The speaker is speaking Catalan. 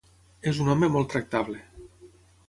És un home molt tractable.